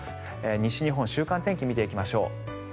西日本の週間天気見ていきましょう。